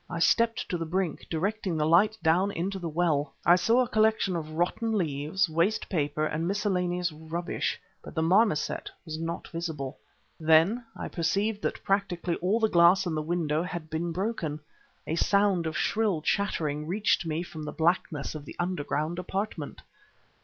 I stepped to the brink, directing the light down into the well. I saw a collection of rotten leaves, waste paper, and miscellaneous rubbish but the marmoset was not visible. Then I perceived that practically all the glass in the window had been broken. A sound of shrill chattering reached me from the blackness of the underground apartment.